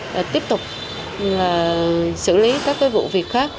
và tiếp tục xử lý các vụ việc khác